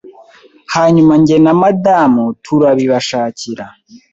hanyuma njye na madamu turabibashakira